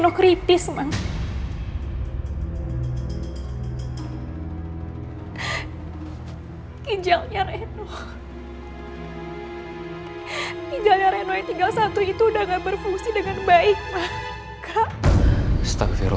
iniengerii settings juga sudah bergargakan karena pani tiga puluh lima menangganya ya tengokin